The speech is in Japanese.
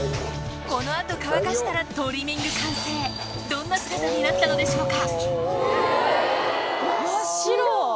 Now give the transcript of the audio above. この後乾かしたらトリミング完成どんな姿になったのでしょうか？